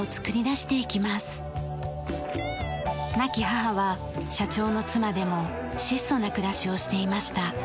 亡き母は社長の妻でも質素な暮らしをしていました。